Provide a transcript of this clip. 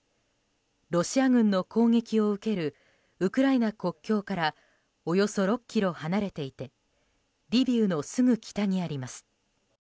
ロシア軍の攻撃を受けるウクライナ国境からおよそ６ｋｍ離れていてリビウのすぐ北にあります。